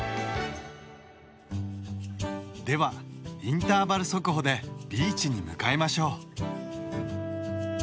ではインターバル速歩でビーチに向かいましょう！